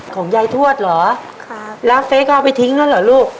ของยายทวดเหรอครับแล้วเฟสก็เอาไปทิ้งแล้วเหรอลูก